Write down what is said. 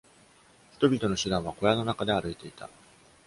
人々の手段は小屋の中で歩いていた